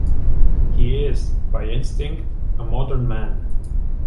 He is, by instinct, a modern man.